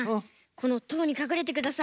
このとうにかくれてください。